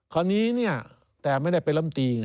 คราวนี้เนี่ยแต่ไม่ได้เป็นลำตีไง